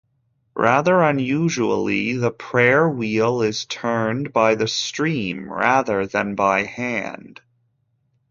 Rather unusually, the prayer wheel is turned by the stream rather than by hand.